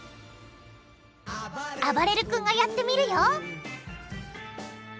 あばれる君がやってみるよ！